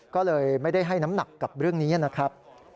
ก็เลยไม่ได้ให้น้ำหนักกับเรื่องนี้นะครับ